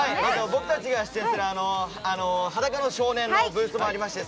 僕たちが出演する「裸の少年」のブースもありまして